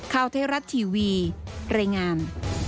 ข่าวเทราะต์ทีวีเรงาน